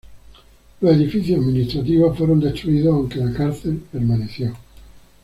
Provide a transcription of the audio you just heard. Los edificios administrativos fueron destruidos aunque la cárcel permaneció.